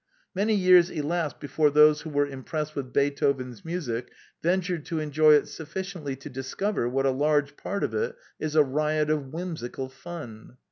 Many years elapsed before those who were impressed with Beetho ven's music ventured to enjoy it sufficiently to discover what a large part of it is a riot of whimsical fun.